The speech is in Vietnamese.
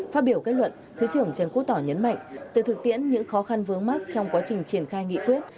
phát biểu kết luận thứ trưởng trần quốc tỏ nhấn mạnh từ thực tiễn những khó khăn vướng mắt trong quá trình triển khai nghị quyết